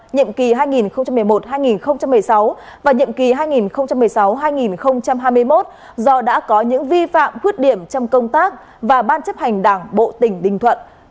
nhiệm kỳ hai nghìn một mươi một hai nghìn một mươi sáu và nhiệm kỳ hai nghìn một mươi sáu hai nghìn hai mươi một do đã có những vi phạm khuyết điểm trong công tác và ban chấp hành đảng bộ tỉnh bình thuận